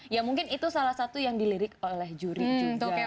ya mungkin itu salah satu yang dilirik oleh juri juga